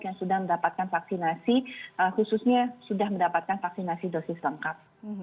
yang sudah mendapatkan vaksinasi khususnya sudah mendapatkan vaksinasi dosis lengkap